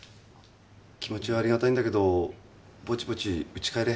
気持ちはありがたいんだけどぼちぼちウチ帰れ。